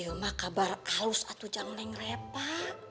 ya itu maka barang kalus satu jam neng repa